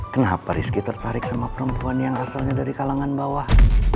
kenapa rizky tertarik sama perempuan yang asalnya dari kalangan bawah